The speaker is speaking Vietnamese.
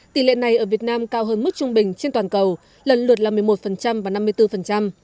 tỷ lệ này ở việt nam cao hơn mức trung bình trên toàn cầu lần lượt là một mươi một và năm mươi bốn